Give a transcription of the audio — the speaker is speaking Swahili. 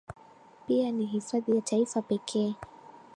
pia ni hifadhi ya Taifa pekee